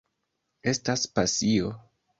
Estas pasio.